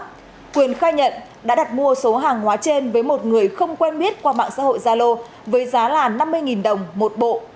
trước đó quyền khai nhận đã đặt mua số hàng hóa trên với một người không quen biết qua mạng xã hội gia lô với giá là năm mươi đồng một bộ